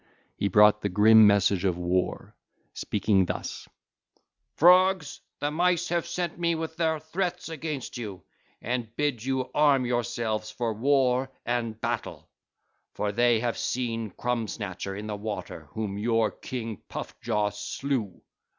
He brought the grim message of war, speaking thus: (ll. 139 143) 'Frogs, the Mice have sent me with their threats against you, and bid you arm yourselves for war and battle; for they have seen Crumb snatcher in the water whom your king Puff jaw slew.